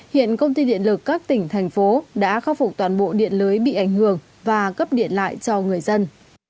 hiện công ty điện lực các tỉnh thành phố đã khắc phục toàn bộ điện lưới bị ảnh hưởng và cấp điện lại cho người dân